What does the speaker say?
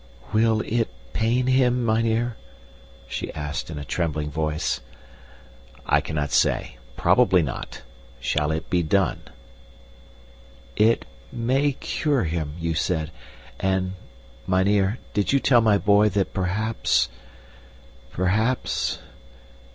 "Will it pain him, mynheer?" she asked in a trembling voice. "I cannot say. Probably not. Shall it be done?" "It MAY cure him, you said, and mynheer, did you tell my boy that perhaps perhaps..."